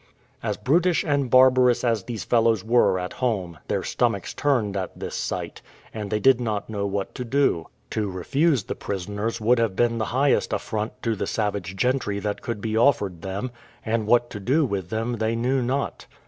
As brutish and barbarous as these fellows were at home, their stomachs turned at this sight, and they did not know what to do. To refuse the prisoners would have been the highest affront to the savage gentry that could be offered them, and what to do with them they knew not.